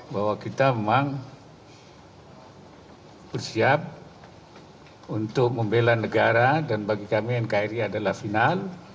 bersiap untuk membela negara dan bagi kami nkri adalah final